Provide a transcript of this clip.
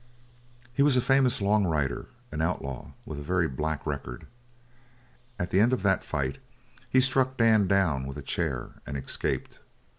"He was a famous long rider an outlaw with a very black record. At the end of that fight he struck Dan down with a chair and escaped.